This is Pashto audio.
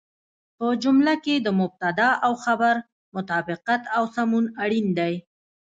په جمله کې د مبتدا او خبر مطابقت او سمون اړين دی.